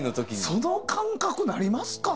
その感覚なりますか？